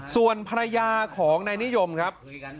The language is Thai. ส่วนภรรยาของนายนิยมครับ